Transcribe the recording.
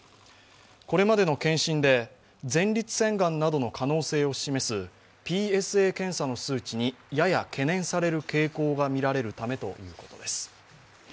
これまでの検診で、前立腺がんなどの可能性を示すＰＳＡ検査の数値にやや懸念される傾向がみられるためということです。